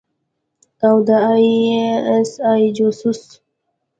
او د آى اس آى جاسوس.